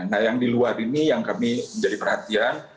nah yang di luar ini yang kami menjadi perhatian